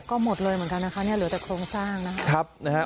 ก็หมดเลยเหมือนกันนะคะเนี่ยเหลือแต่โครงสร้างนะครับนะฮะ